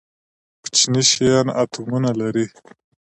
کوچني شیان اتومونه لري